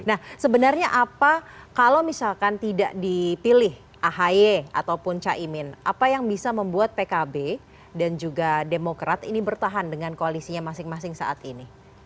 nah sebenarnya apa kalau misalkan tidak dipilih ahy ataupun caimin apa yang bisa membuat pkb dan juga demokrat ini bertahan dengan koalisinya masing masing saat ini